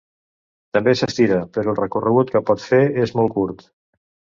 També s'estira, però el recorregut que pot fer és molt curt.